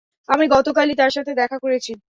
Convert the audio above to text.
আমি গতকালই তার সাথে দেখা করেছি!